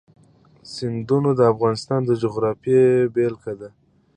سیندونه د افغانستان د جغرافیې بېلګه ده.